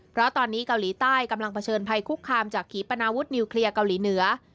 เพราะตอนนี้เกาหลีใต้กำลังเผชิญภัยคุกคามจากขีปนาวุฒนิวเคลียร์เกาหลีเหนือ